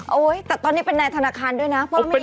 โอ้ยแต่ตอนนี้เป็นนายธนาคารด้วยนะ